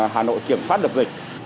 hà nội kiểm soát được dịch